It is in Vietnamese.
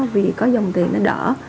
vì có dòng tiền nó đỡ